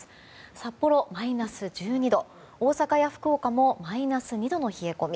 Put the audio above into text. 札幌、マイナス１２度大阪や福岡もマイナス２度の冷え込み。